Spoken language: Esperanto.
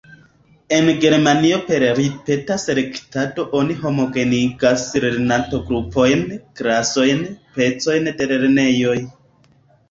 En Germanio per ripeta selektado oni homogenigas lernanto-grupojn, klasojn, pecojn de lernejoj.